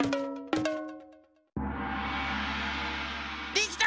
できた！